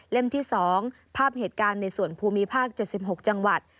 ที่๒ภาพเหตุการณ์ในส่วนภูมิภาค๗๖จังหวัด